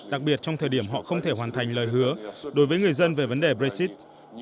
đặc biệt trong thời điểm họ không thể hoàn thành lời hứa đối với người dân về vấn đề brexit